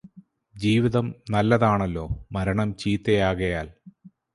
ജീവിതം നല്ലതാണല്ലോ മരണം ചീത്തയാകയാൽ.